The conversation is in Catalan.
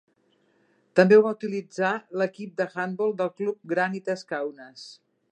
També ho va utilitzar l'equip d'handbol del club Granitas Kaunas.